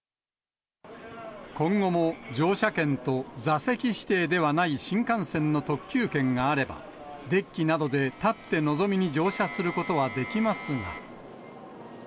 今後も乗車券と座席指定ではない新幹線の特急券があれば、デッキなどで立ってのぞみに乗車することはできますが。